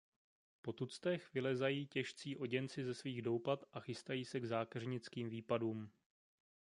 Po tuctech vylezají těžcí oděnci ze svých doupat a chystají se k zákeřnickým výpadům.